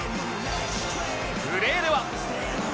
プレーでは